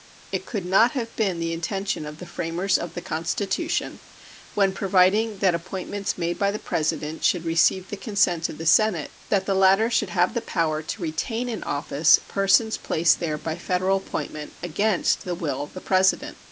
It could not have been the intention of the framers of the Constitution, when providing that appointments made by the President should receive the consent of the Senate, that the latter should have the power to retain in office persons placed there by Federal appointment against the will of the President.